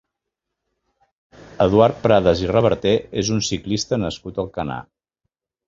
Eduard Prades i Reverter és un ciclista nascut a Alcanar.